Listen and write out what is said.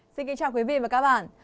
xin kính chào quý vị và các bạn